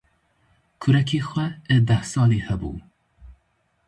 Kurekî xwe ê dehsalî hebû.